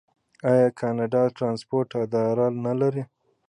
آیا کاناډا د ټرانسپورټ اداره نلري؟